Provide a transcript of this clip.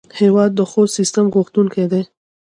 هېواد د ښو سیسټم غوښتونکی دی.